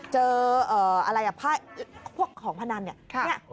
เจอเอ่ออะไรอะผ้าอืกพวกของภัณฑ์เนี้ยค่ะเนี้ย